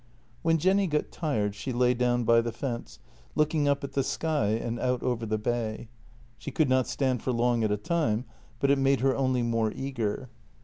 When Jenny got tired she lay down by the fence, looking up at the sky and out over the bay; she could not stand for long at a time, but it made her only more eager.